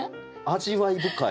味わい深い。